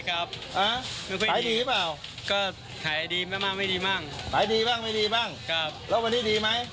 อับประมาณเท่าไร